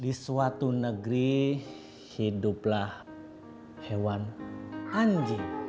di suatu negeri hiduplah hewan anjing